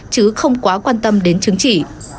cứ không quá quan tâm đến chứng chỉ